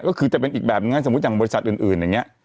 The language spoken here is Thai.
ก็คือจะเป็นอีกแบบนั้นสมมุติอย่างบริษัทอื่นอย่างนี้